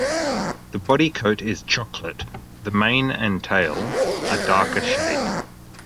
The body coat is chocolate, the mane and tail a darker shade.